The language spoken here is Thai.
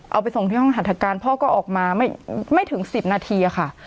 เอาไปส่งที่ห้องหัตถการพ่อก็ออกมาไม่ถึง๑๐นาทีค่ะ